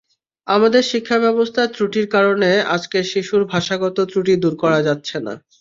আমাদের শিক্ষাব্যবস্থার ত্রুটির কারণে আজকের শিশুর ভাষাগত ত্রুটি দূর করা যাচ্ছে না।